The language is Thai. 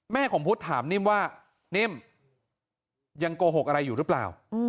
ของพุทธถามนิ่มว่านิ่มยังโกหกอะไรอยู่หรือเปล่า